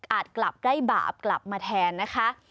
กลับได้บาปกลับมาแทนนะคะ